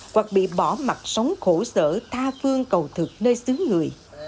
hoặc bị bỏ mặt sống khổ sở tha phương cầu thực nơi xứ người